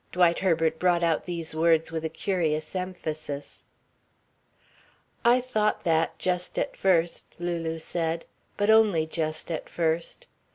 Dwight Herbert brought out these words with a curious emphasis. "I thought that, just at first," Lulu said, "but only just at first.